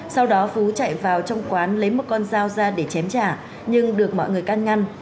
sau đó phú chạy vào trong quán lấy một con dao ra để chém trả nhưng được mọi người can ngăn